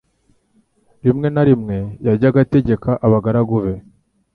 Rimwe na rimwe yajyaga ategeka abagaragu be